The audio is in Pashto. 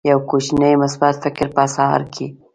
یو کوچنی مثبت فکر په سهار کې